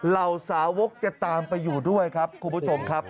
เหล่าสาวกจะตามไปอยู่ด้วยครับคุณผู้ชมครับ